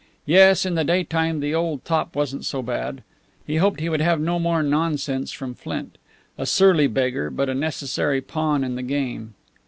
Yes, in the daytime the old top wasn't so bad. He hoped he would have no more nonsense from Flint. A surly beggar, but a necessary pawn in the game.